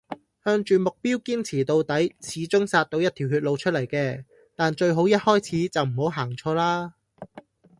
向住目標堅持到底，始終殺到一條血路出黎嘅，但最好一開始就唔好行錯啦